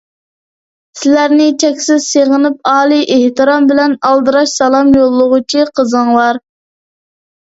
سىلەرنى چەكسىز سېغىنىپ، ئالىي ئېھتىرام بىلەن ئالدىراش سالام يوللىغۇچى: قىزىڭلار.